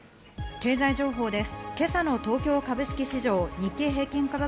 経済情報です。